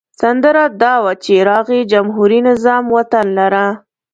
سندره دا وه چې راغی جمهوري نظام وطن لره.